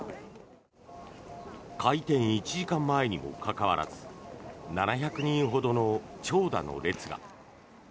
開店１時間前にもかかわらず７００人ほどの長蛇の列が。